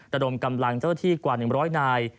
ระดมกำลังเจ้าหน้าที่กว่า๑๐๐นาย